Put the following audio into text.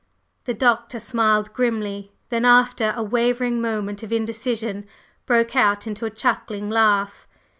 The Doctor smiled grimly; then after a wavering moment of indecision, broke out into a chuckling laugh.